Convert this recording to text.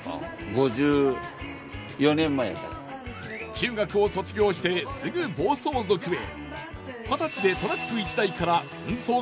中学を卒業してすぐ暴走族へ。